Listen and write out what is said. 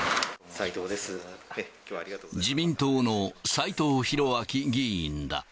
自民党の斎藤洋明議員だ。